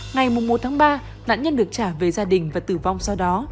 ngày một ba nạn nhân được trả về gia đình và tử vong sau đó